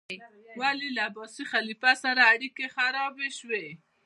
ولې له عباسي خلیفه سره اړیکې خرابې شوې؟